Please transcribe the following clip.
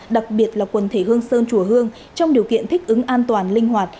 đặc biệt là quần thể hương sơn chùa hương trong điều kiện thích ứng an toàn linh hoạt